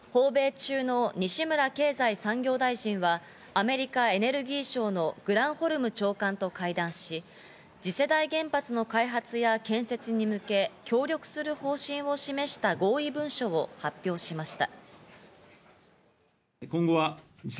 訪米中の西村経済産業大臣はアメリカ・エネルギー省のグランホルム長官と会談し、次世代原発の開発や建設に向け協力する方針を示した合意文書を発表しました。